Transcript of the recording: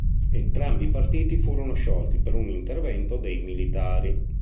Entrambi i partiti furono sciolti per un intervento dei militari.